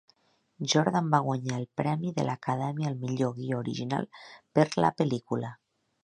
Jordan va guanyar el premi de l'Acadèmia al millor guió original per la pel·lícula.